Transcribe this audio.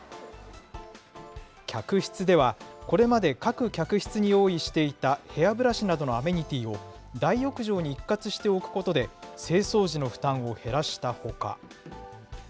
客室では、これまで各客室に用意していたヘアブラシなどのアメニティーを大浴場に一括して置くことで、清掃時の負担を減らしたほか。